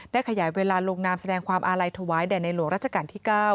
ขยายเวลาลงนามแสดงความอาลัยถวายแด่ในหลวงราชการที่๙